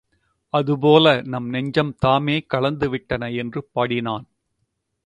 அது போல நம் நெஞ்சம் தாமே கலந்து விட்டன என்று பாராட்டினான்.